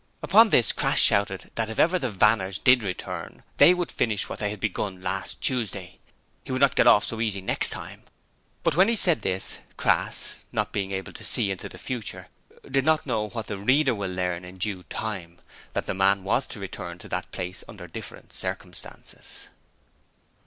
Upon this Crass shouted out that if ever the Vanners did return, they would finish what they had begun last Tuesday. He would not get off so easy next time. But when he said this, Crass not being able to see into the future did not know what the reader will learn in due time, that the man was to return to that place under different circumstances.